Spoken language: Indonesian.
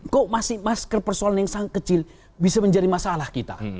kok masih masker persoalan yang sangat kecil bisa menjadi masalah kita